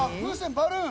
バルーン。